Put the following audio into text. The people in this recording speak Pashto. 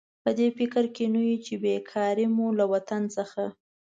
په دې فکر کې نه یو چې بېکاري مو له وطن څخه.